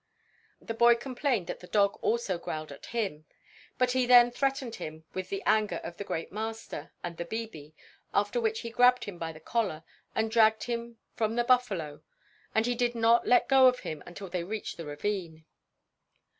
The boy complained that the dog also growled at him, but he then threatened him with the anger of the "great master" and the "bibi," after which he grabbed him by the collar and dragged him from the buffalo, and did not let go of him until they reached the ravine.